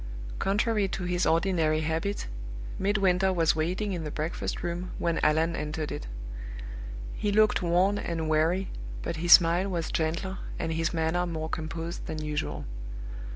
Contrary to his ordinary habit, Midwinter was waiting in the breakfast room when Allan entered it. He looked worn and weary, but his smile was gentler and his manner more composed than usual.